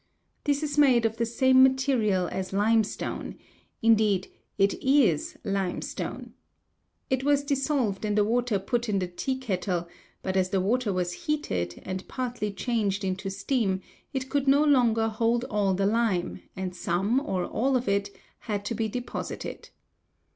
This is made of the same material as limestone indeed, it is limestone. It was dissolved in the water put in the tea kettle, but as the water was heated and partly changed into steam it could no longer hold all the lime, and some or all of it had to be deposited.